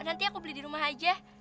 nanti aku beli di rumah aja